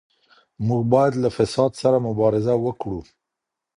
موږ بايد له فساد سره مبارزه وکړو.